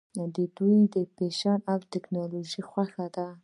دوی فیشن او ټیکنالوژي خوښوي.